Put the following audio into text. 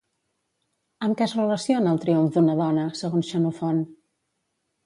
Amb què es relaciona el triomf d'una dona, segons Xenofont?